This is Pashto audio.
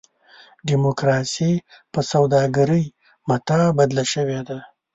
ډیموکراسي په سوداګرۍ متاع بدله شوې ده.